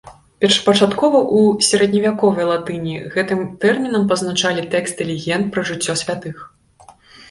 Першапачаткова ў сярэдневяковай латыні гэтым тэрмінам пазначалі тэксты легенд пра жыццё святых.